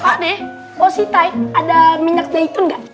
pak deh posisi ada minyak jahitun nggak